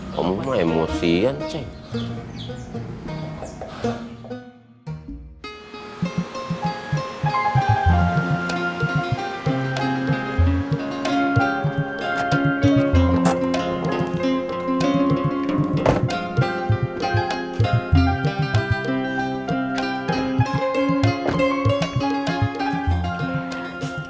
kamu mah emosian cek